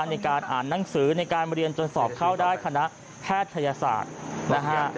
ในการอ่านหนังสือในการเรียนจนสอบเข้าได้คณะแพทยศาสตร์นะฮะ